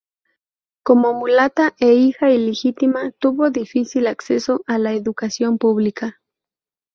Como mulata e hija ilegítima tuvo difícil acceso a la educación pública.